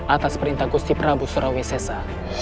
atas perintah gusti prabu surawi sesa